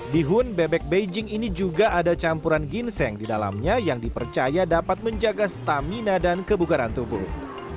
bihun bebek beijing ini juga ada campuran ginseng di dalamnya yang dipercaya dapat menjaga stamina dan kebugaran tubuh